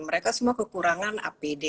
mereka semua kekurangan apd